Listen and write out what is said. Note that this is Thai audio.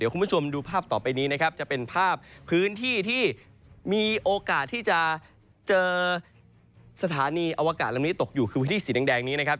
คุณผู้ชมต้องดูภาพต่อไปนี้นะครับเป็นภาพพื้นที่ที่มีโอกาสที่จะเจอสถานีอวกาศตกอยู่คือพื้นที่สีแดงค่ะ